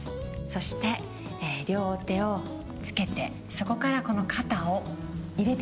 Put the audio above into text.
そして両手をつけてそこから肩を入れていきます。